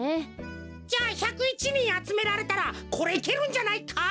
じゃ１０１にんあつめられたらこれいけるんじゃないか？